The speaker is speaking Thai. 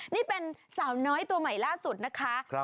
นี่เป็นสาวน้อยตัวใหม่ล่าสุดนะคะ